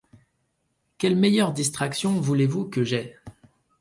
Quelle meilleure distraction voulez-vous que j’aie ?